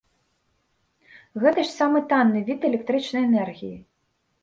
Гэта ж самы танны від электрычнай энергіі.